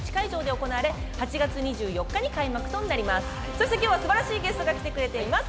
そして今日はすばらしいゲストが来てくれています。